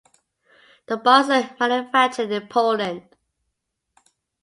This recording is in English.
The bar is manufactured in Poland.